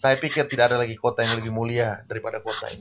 saya pikir tidak ada lagi kota yang lebih mulia daripada kota ini